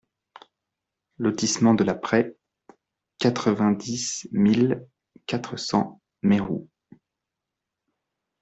Lotissement de la Praie, quatre-vingt-dix mille quatre cents Meroux